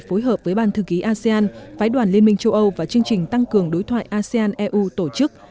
phối hợp với ban thư ký asean phái đoàn liên minh châu âu và chương trình tăng cường đối thoại asean eu tổ chức